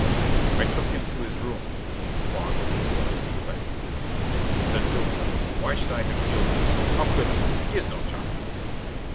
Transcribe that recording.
"I took him to his room," Spawn was explaining excitedly. "De duvel, why should I have sealed him in? How could I? He is no child!"